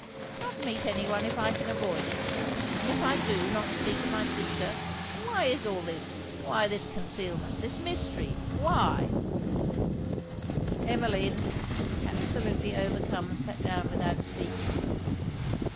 'Not meet any one if I can avoid it! and if I do, not speak of my sister! And why is all this? why this concealment, this mystery? why ' Emmeline, absolutely overcome, sat down without speaking.